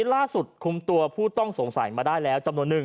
ล่าสุดคุมตัวผู้ต้องสงสัยมาได้แล้วจำนวนนึ